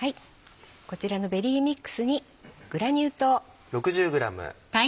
こちらのベリーミックスにグラニュー糖。